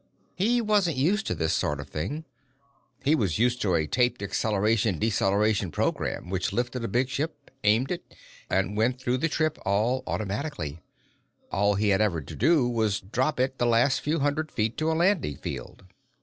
He wasn't used to this sort of thing. He was used to a taped acceleration deceleration program which lifted a big ship, aimed it, and went through the trip all automatically. All he had ever had to do was drop it the last few hundred feet to a landing field.